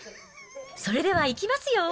それではいきますよ。